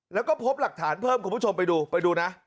แล้วก็พบหลักฐานเพิ่มคุณผู้ชมไปดูไปดูนะ